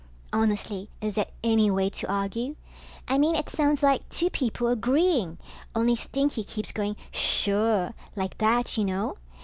Honestly, is that any way to argue? I mean it sounds like two people agreeing, only Stinky keeps going suuure, like that, you know?